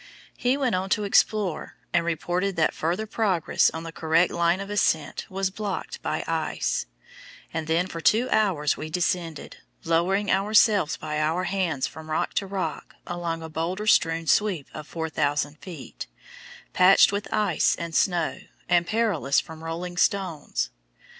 He went on to explore, and reported that further progress on the correct line of ascent was blocked by ice; and then for two hours we descended, lowering ourselves by our hands from rock to rock along a boulder strewn sweep of 4,000 feet, patched with ice and snow, and perilous from rolling stones.